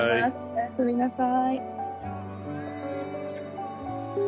おやすみなさい。